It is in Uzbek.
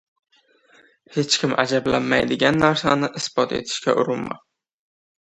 • Hech kim ajablanmaydigan narsani isbot etishga urinma.